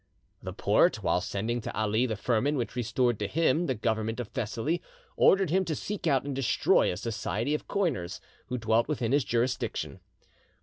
The Porte, while sending to Ali the firman which restored to him the government of Thessaly, ordered him to seek out and destroy a society of coiners who dwelt within his jurisdiction.